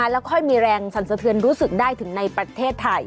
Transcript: แล้วค่อยมีแรงสั่นสะเทือนรู้สึกได้ถึงในประเทศไทย